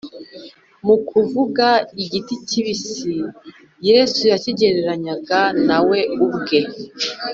mu kuvuga igiti kibisi, yesu yakigereranyaga na we ubwe,